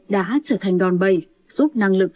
đã trở thành đòn bày giúp năng lực